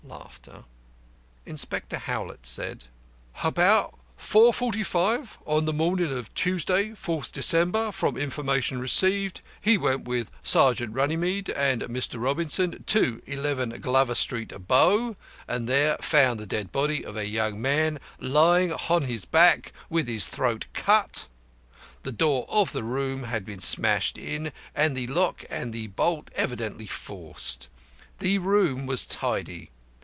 Inspector HOWLETT said: About 9.45 on the morning of Tuesday, 4th December, from information received, he went with Sergeant Runnymede and Dr. Robinson to 11 Glover Street, Bow, and there found the dead body of a young man, lying on his back with his throat cut. The door of the room had been smashed in, and the lock and the bolt evidently forced. The room was tidy.